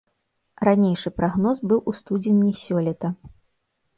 Ранейшы прагноз быў у студзені сёлета.